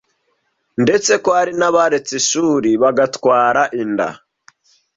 ndetse ko hari n’abaretse ishuri bagatwara inda.